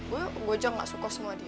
gue juga nggak suka sama dia